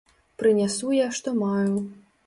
Прынясу я, што маю.